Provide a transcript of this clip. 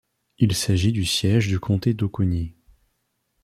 Il s'agit du siège du comté d'Oconee.